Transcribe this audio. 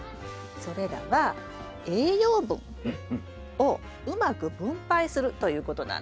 それらは栄養分をうまく分配するということなんです。